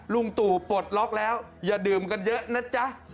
ลุงตู่ปลดล็อกแล้วอย่าดื่มกันเยอะนะจ๊ะ